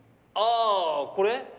ああこれ？